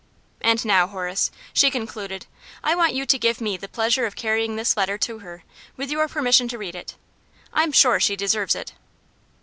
And now, Horace," she concluded, "I want you to give me the pleasure of carrying this letter to her, with your permission to read it. I'm sure she deserves it."